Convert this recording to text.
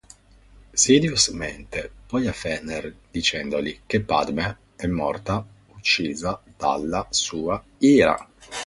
Sidious mente poi a Fener dicendogli che Padmé è morta uccisa dalla sua ira.